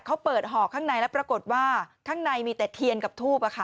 เขาเปิดห่อข้างในแล้วปรากฏว่าข้างในมีแต่เทียนกับทูป